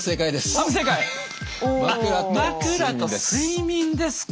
あっ「枕と睡眠」ですか。